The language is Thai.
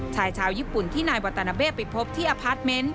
ชายชาวญี่ปุ่นที่นายวาตานาเบ้ไปพบที่อพาร์ทเมนต์